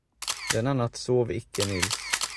Denna natt sov icke Nils.